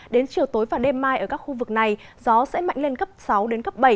đến chiều tối và đêm mai ở các khu vực này gió sẽ mạnh lên cấp sáu bảy